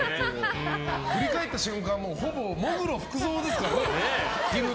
振り返った瞬間ほぼ喪黒福造ですからね。